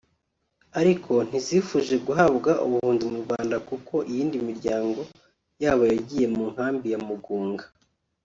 ariko ntizifuje guhabwa ubuhunzi mu Rwanda kuko iyindi miryango yabo yagiye mu nkambi ya Mugunga